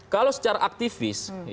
kalau secara aktivis